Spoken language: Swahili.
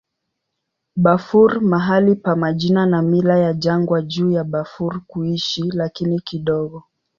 Bafur mahali pa majina na mila ya jangwa juu ya Bafur kuishi, lakini kidogo.